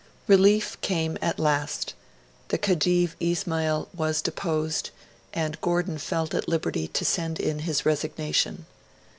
Relief came at last. The Khedive Ismail was deposed; and Gordon felt at liberty to send in his resignation.